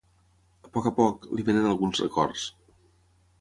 A poc a poc, li vénen alguns records.